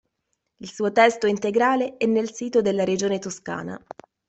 Il suo testo integrale è nel sito della Regione Toscana.